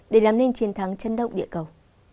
để làm nên chiến thắng chân động địa cầu